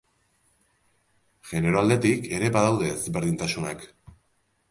Genero aldetik ere badaude ezberdintasunak.